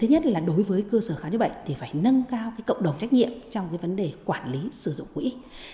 thứ nhất là đối với cơ sở khám chứa bệnh thì phải nâng cao cộng đồng trách nhiệm trong vấn đề quản lý sử dụng quỹ